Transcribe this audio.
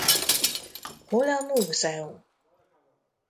Hol a múzeum?